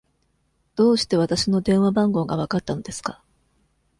どうしてわたしの電話番号がわかったのですか。